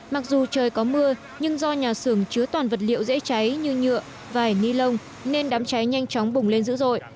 mặc dù trời có mưa nhưng do nhà xưởng chứa toàn vật liệu dễ cháy như nhựa vải ni lông nên đám cháy nhanh chóng bùng lên dữ dội